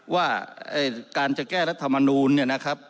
ว่าการจะแก้รัฐมนูลเนี่ยนะครับ